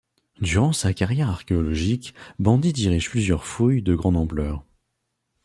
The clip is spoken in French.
Durant sa carrière archéologique, Bandi dirige plusieurs fouilles de grande ampleur.